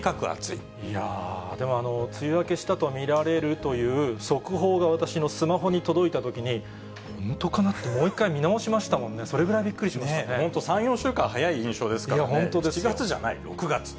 いやぁ、でもあの、梅雨明けしたと見られるという速報が私のスマホに届いたときに、本当かな？ともう一回、見直しましたもんね、それぐらいびっくり本当、３、４週間早い印象ですからね、７月じゃない、６月。